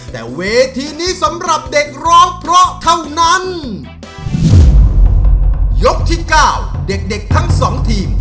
แต่เวทีนี้สำหรับเด็กร้องเพราะเท่านั้นยกที่เก้าเด็กเด็กทั้งสองทีม